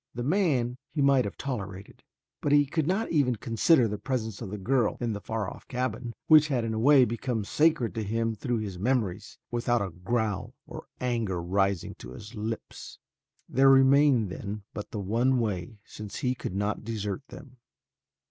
The man he might have tolerated, but he could not even consider the presence of the girl in the far off cabin, which had in a way become sacred to him through its memories, without a growl or anger rising to his lips. There remained, then, but the one way, since he could not desert them.